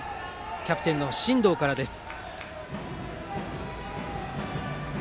キャプテンの進藤からです。